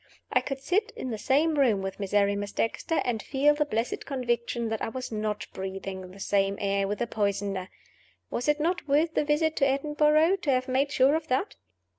I could sit in the same room with Miserrimus Dexter, and feel the blessed conviction that I was not breathing the same air with a poisoner. Was it not worth the visit to Edinburgh to have made sure of that?